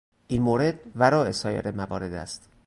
این مورد وراء سایر موارد است.